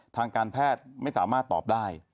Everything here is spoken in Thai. ทางการแพทย์ไม่สามารถตอบได้